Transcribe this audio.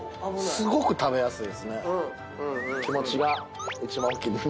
すごく食べやすいですね。